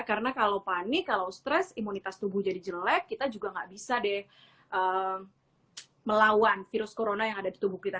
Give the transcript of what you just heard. karena kalau panik kalau stres imunitas tubuh jadi jelek kita juga nggak bisa deh melawan virus corona yang ada di tubuh kita